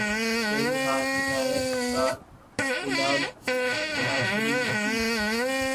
یہی حال ہدایت کار بلال لاشاری کی